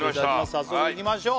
早速いきましょう